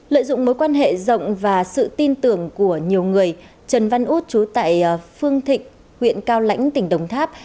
lợi dụng mối quan hệ rộng và sự tin tưởng của nhiều người trần văn út chú tại phương thịnh huyện cao lãnh tỉnh đồng tháp